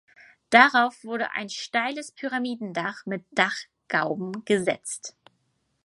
Darauf wurde ein steiles Pyramidendach mit Dachgauben gesetzt.